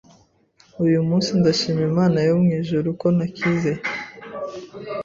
Uyu munsi ndashima Imana yo mu ijuru ko nakize